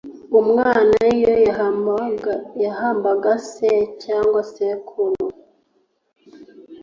Umwana iyo yahambaga se cyangwa sekuru